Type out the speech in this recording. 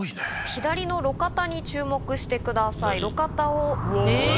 左の路肩に注目してください。